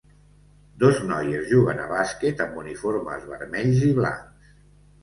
Dos noies juguen a bàsquet amb uniformes vermells i blancs